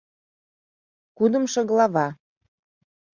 Кудымшо глава